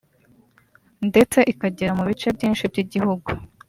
ndetse ikagera mu bice byinshi by’igihugu